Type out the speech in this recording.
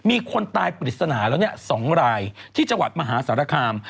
มีคนตายปริศนาแล้ว๒รายที่จังหวัดมหาสารคาม